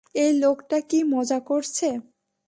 এই লোকটা কি মজা করছে?